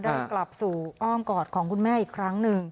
ได้กลับสู่อ้อมกอดของคุณแม่อีกครั้งหนึ่ง